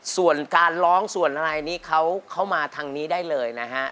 ส่วนการร้องส่วนอะไรนี้เขาเข้ามาทางนี้ได้เลยนะฮะ